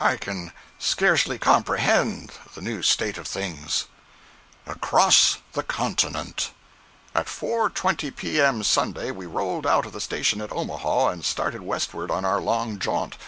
I can scarcely comprehend the new state of things: "ACROSS THE CONTINENT. "At 4.20 P.M., Sunday, we rolled out of the station at Omaha, and started westward on our long jaunt.